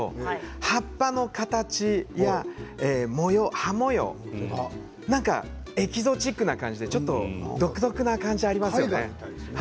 葉っぱの形や葉模様なんかエキゾチックな感じで独特な感じありませんか。